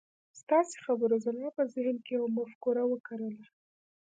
ستاسې خبرو زما په ذهن کې يوه مفکوره وکرله.